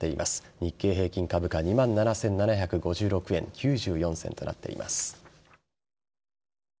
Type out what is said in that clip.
日経平均株価２万７７５６円９４銭となっています。